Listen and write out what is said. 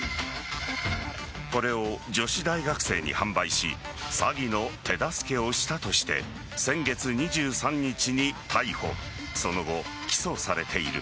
これを女子大学生に販売し詐欺の手助けをしたとして先月２３日に逮捕その後、起訴されている。